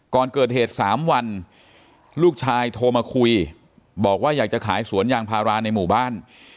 ก่อนเกิดเหตุ๓วันลูกชายโทรมาคุยบอกว่าอยากจะขายสวนยางพาราในหมู่บ้าน